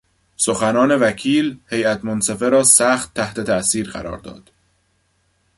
سخنان وکیل هیات منصفه را سخت تحت تاثیر قرار داد.